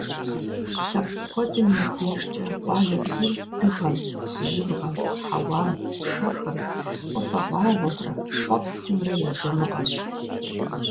Лъэпкъ куэдым я дежкӀэ къуалэбзур дыгъэм, жьыбгъэм, хьэуам, пшэхэм, уафэгъуагъуэмрэ хъуэпскӀымрэ я дамыгъэщ.